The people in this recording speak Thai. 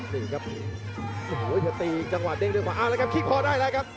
นี่ครับโหเผ็ดตีจังหวัดเด้งด้วยขวาอ้าวแล้วครับคลิกพอได้แล้วครับ